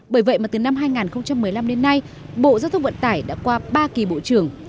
bởi vậy mà từ năm hai nghìn một mươi năm đến nay bộ giao thông vận tải đã qua ba kỳ bộ trưởng